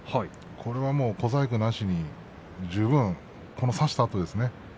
これはもう小細工なしに十分差したあとですね。